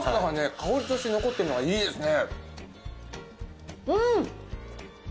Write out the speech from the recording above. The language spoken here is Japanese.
香りとして残ってるのはいいですね。